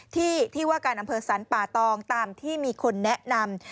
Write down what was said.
ที่ที่ว่าการอำเภอสรรป่าตองตามที่มีคนแนะนำ